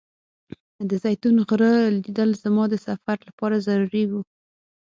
د زیتون غره لیدل زما د سفر لپاره ضروري و.